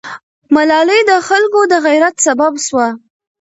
ملالۍ د خلکو د غیرت سبب سوه.